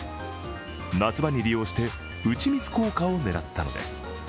夏場に利用して打ち水効果を狙ったのです。